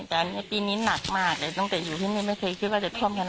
แต่อันนี้ปีนี้หนักมากเลยตั้งแต่อยู่ที่นี่ไม่เคยคิดว่าจะซ่อมกัน